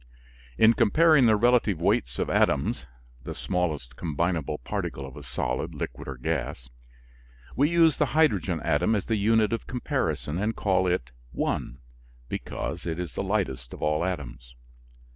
In comparing the relative weights of atoms (the smallest combinable particle of a solid, liquid, or gas) we use the hydrogen atom as the unit of comparison and call it "one," because it is the lightest of all atoms.